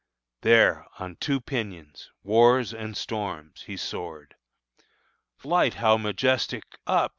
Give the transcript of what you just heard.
There on two pinions, War's and Storm's, he soared Flight how majestic! up!